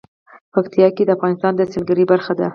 پکتیکا د افغانستان د سیلګرۍ برخه ده.